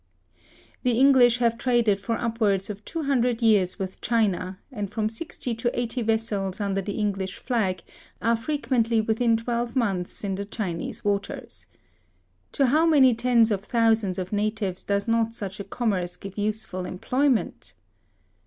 The English have traded for upwards of two hundred years with China, and from sixty to eighty vessels under the English flag, are frequently within twelve months, in the Chinese waters. To how many tens of thousands of natives does not such a commerce give useful employment!